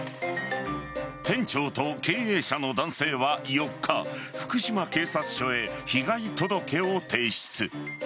店長と経営者の男性は４日福島警察署へ被害届を提出。